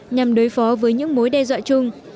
nhằm đối phó với những mối đe dọa chung